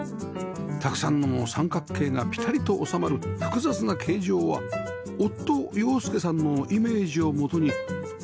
たくさんの三角形がピタリと収まる複雑な形状は夫洋輔さんのイメージをもとに建築家がデザイン